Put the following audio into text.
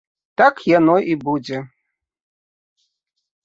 Так яно і будзе.